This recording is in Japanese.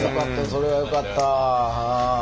それはよかった。